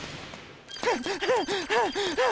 はあはあはあはあ。